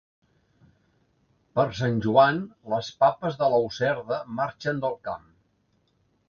Per Sant Joan les papes de la userda marxen del camp.